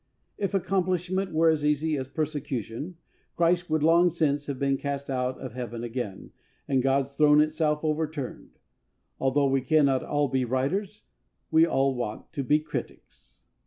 If accomplishment were as easy as persecution, Christ would long since have been cast out of heaven again, and God's throne itself overturned. Although we cannot all be writers, we all want to be critics.